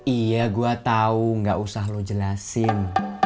iya gua tau gak usah lu jelasin